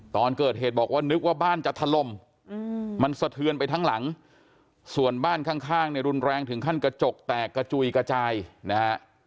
ตอนเกิดเหตุบอกว่านึกว่าบ้านจะถล่มมันสะเทือนไปทั้งหลังส่วนบ้านข้างในรุนแรงถึงขั้นกระจกแตกกระจุยกระจายนะฮะ